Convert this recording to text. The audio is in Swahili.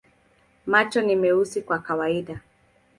Macho ni meusi kwa kawaida.